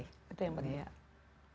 itu yang penting